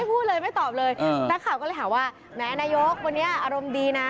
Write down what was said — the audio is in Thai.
พูดเลยไม่ตอบเลยนักข่าวก็เลยถามว่าแม้นายกวันนี้อารมณ์ดีนะ